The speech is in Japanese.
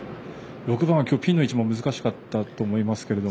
６番はピンの位置も難しかったと思いますけど。